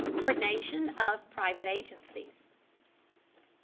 COÍRDINATION OF PRIVATE AGENCIES.